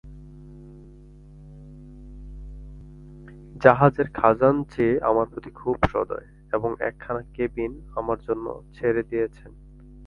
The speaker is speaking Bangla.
জাহাজের খাজাঞ্চী আমার প্রতি খুব সদয় এবং একখানা কেবিন আমার জন্য ছেড়ে দিয়েছেন।